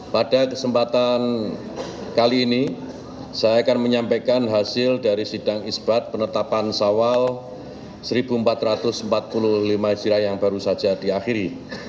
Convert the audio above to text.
pada kesempatan kali ini saya akan menyampaikan hasil dari sidang isbat penetapan sawal seribu empat ratus empat puluh lima hijriah yang baru saja diakhiri